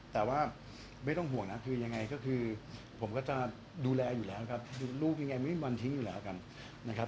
แต่ว่าไม่ต้องห่วงนะคือยังไงก็คือผมก็จะดูแลอยู่แล้วครับลูกยังไงไม่มีบอลทิ้งอยู่แล้วกันนะครับ